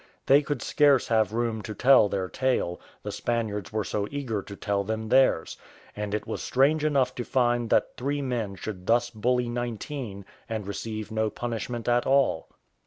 They could scarce have room to tell their tale, the Spaniards were so eager to tell them theirs: and it was strange enough to find that three men should thus bully nineteen, and receive no punishment at all.